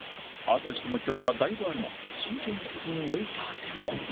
淳との距離はだいぶあるが慎重に進むウェイター出川